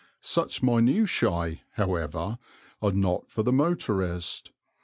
Such minutiæ, however, are not for the motorist.